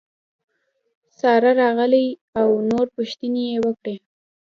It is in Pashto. څاسره راغلې او نور پوښتنې یې وکړې.